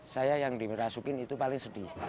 saya yang dirasukin itu paling sedih